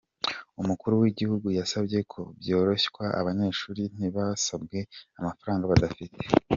Umukuru w’Igihugu yasabye ko byoroshywa abanyeshuri ntibasabwe amafaranga badafite.